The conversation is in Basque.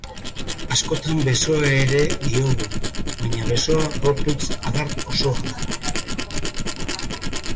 Askotan besoa ere diogu, baina besoa gorputz-adar osoa da.